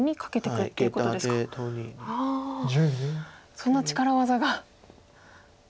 そんな力技が。